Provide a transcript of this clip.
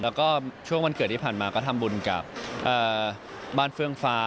แล้วก็ช่วงวันเกิดที่ผ่านมาก็ทำบุญกับบ้านเฟืองฟ้า